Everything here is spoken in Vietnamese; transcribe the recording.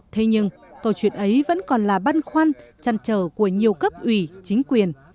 thế nhưng câu chuyện ấy vẫn còn là băn khoăn chăn trở của nhiều cấp ủy chính quyền